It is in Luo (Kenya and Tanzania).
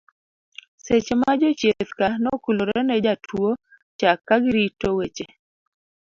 seche ma jochieth ka nokulore ne jatua cha kagirito weche